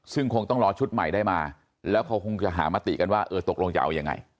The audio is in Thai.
ซึ่งคงต้องรอชุดใหม่ได้มาแล้วเขาคงจะหามติกันว่าเออตกลงจะเอายังไง